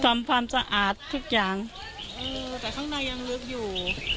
ทำความสะอาดทุกอย่างเออแต่ข้างในยังลึกอยู่